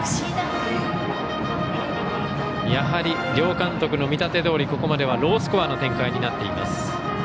やはり両監督の見立てどおりここまでロースコアの展開になっています。